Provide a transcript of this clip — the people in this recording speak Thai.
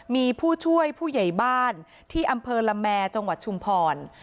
มีผู้ช่วยผู้ใหญ่บ้านที่อำเภอละแมจังหวัดชุมพร